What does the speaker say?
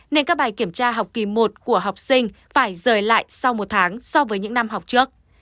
nên các bài kiểm tra học kỳ một của học sinh phải rời lại sau một tháng so với những năm học trước